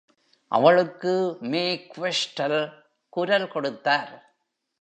அவளுக்கு Mae Questel குரல் கொடுத்தார்.